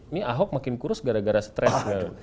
ini ahok makin kurus gara gara stres